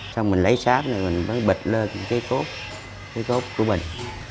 xong mình lấy sáp rồi mình mới bịch lên cái cốt cái cốt của mình